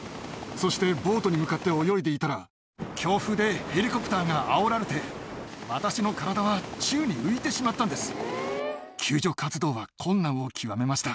そしてボートに向かって泳いでいたら強風でヘリコプターがあおられて私の体は宙に浮いてしまったんです。